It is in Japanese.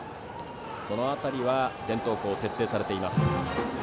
その辺りは伝統校徹底されています。